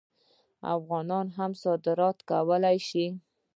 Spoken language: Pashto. افغانان هم صادرات کولی شي.